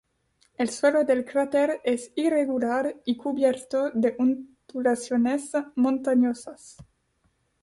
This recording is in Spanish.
El suelo del cráter es irregular y cubierto de ondulaciones montañosas.